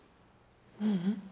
ううん。